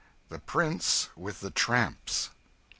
The Prince with the Tramps.